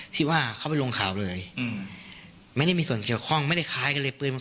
ที่ว่าเขาไว้ลงข่าวเลยไม่มีส่วนเกี่ยวข้องไม่คล้ายกันเลย